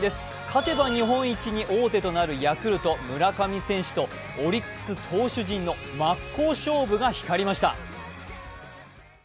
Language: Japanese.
勝てば日本一に王手となるヤクルト・村上選手とオリックス投手陣の真っ向勝負が光りました。